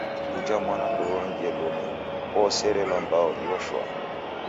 Uja mwana ndouongie luma, ooserelwa mbao iyo shwaa.